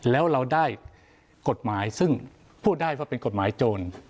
แล้วเราได้กฎหมายซึ่งพูดได้ว่าเป็นกฎหมายโจร